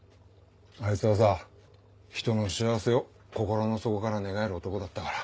あいつはさひとの幸せを心の底から願える男だったから。